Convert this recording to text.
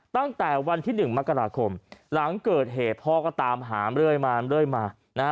ตั้งแต่วันที่หนึ่งมกราคมหลังเกิดเหตุพ่อก็ตามหาเรื่อยมาเรื่อยมานะฮะ